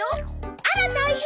あら大変！